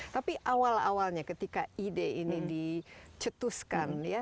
tapi awal awalnya ketika ide ini dicetuskan ya